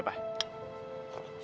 siapa mana gue tau